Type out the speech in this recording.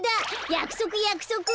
やくそくやくそく！